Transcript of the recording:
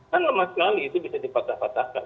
kan lemah sekali itu bisa dipatah patahkan